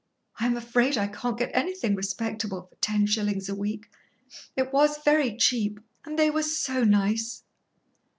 "I am afraid I can't get anything respectable for ten shillings a week. It was very cheap and they were so nice!"